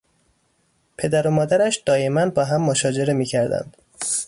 پدر و مادرش دایما با هم مشاجره می کردند.